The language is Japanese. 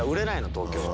東京は。